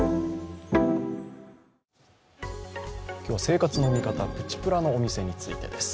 今日は生活の見方プチプラのお店についてです。